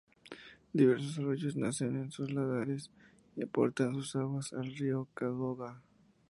Diversos arroyos nacen en sus laderas y aportan sus aguas al río Cadagua.